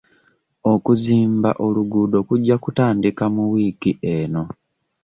Okuzimba oluguudo kujja kutandika mu wiiki eno.